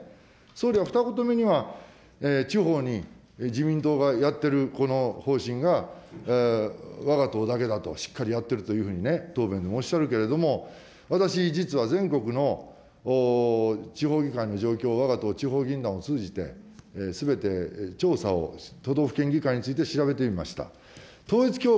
総理は二言目には、地方に自民党がやってる、この方針が、わが党だけだと、しっかりやってるというふうに答弁でおっしゃるけれども、私、実は全国の地方議会の状況、わが党、地方議員団を通じて、すべて調査を都道府県議会について調べてみました。